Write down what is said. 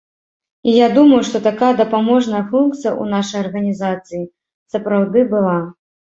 І я думаю, што такая дапаможная функцыя ў нашай арганізацыі сапраўды была.